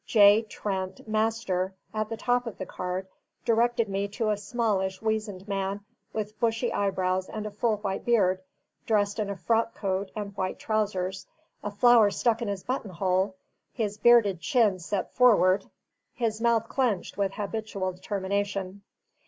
"J. Trent, Master" at the top of the card directed me to a smallish, weazened man, with bushy eyebrows and full white beard, dressed in a frock coat and white trousers; a flower stuck in his button hole, his bearded chin set forward, his mouth clenched with habitual determination.